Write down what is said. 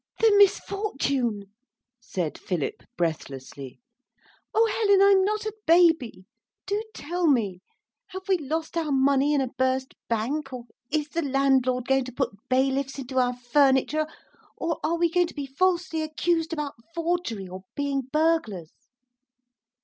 'The misfortune,' said Philip breathlessly. 'Oh, Helen, I'm not a baby. Do tell me! Have we lost our money in a burst bank? Or is the landlord going to put bailiffs into our furniture? Or are we going to be falsely accused about forgery, or being burglars?'